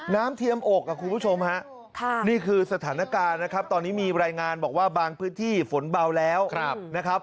เทียมอกคุณผู้ชมฮะนี่คือสถานการณ์นะครับตอนนี้มีรายงานบอกว่าบางพื้นที่ฝนเบาแล้วนะครับ